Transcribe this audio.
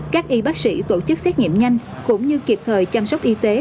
các y bác sĩ tổ chức xét nghiệm nhanh cũng như kịp thời chăm sóc y tế